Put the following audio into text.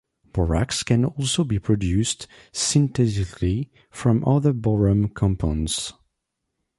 Borax can also be produced synthetically from other boron compounds.